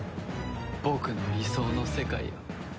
僕の理想の世界を。